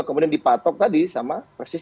kemudian dipatok tadi sama persis